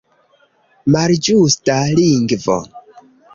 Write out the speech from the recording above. Malĝusta lingvo!